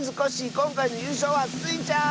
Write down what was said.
こんかいのゆうしょうはスイちゃん！